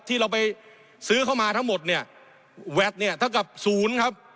ที่เราไปซื้อเข้ามาทั้งหมดเนี่ยแวดเนี่ยเท่ากับศูนย์ครับ